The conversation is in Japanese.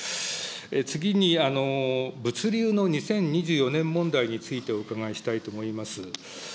次に物流の２０２４年問題についてお伺いしたいと思います。